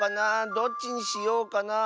どっちにしようかなあ。